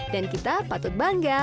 dan kita patut bangga